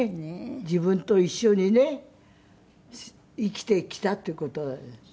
自分と一緒にね生きてきたっていう事が。